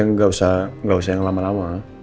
enggak usah enggak usah yang lama lama